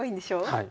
はい。